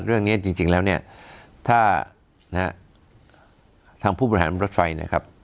เรื่องนี้จริงแล้วเนี่ยถ้านะฮะทางผู้บริหารรถไฟนะครับ